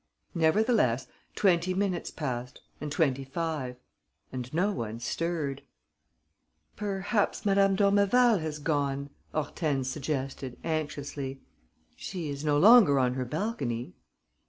Nevertheless, twenty minutes passed and twenty five; and no one stirred. "Perhaps Madame d'Ormeval has gone." Hortense suggested, anxiously. "She is no longer on her balcony."